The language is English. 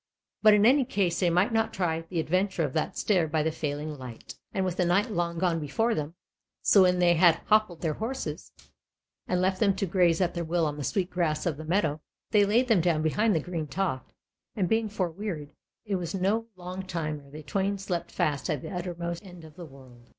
But in any case they might not try the adventure of that stair by the failing light, and with the night long before them. So when they had hoppled their horses, and left them to graze at their will on the sweet grass of the meadow, they laid them down behind the green toft, and, being forwearied, it was no long time ere they twain slept fast at the uttermost end of the world.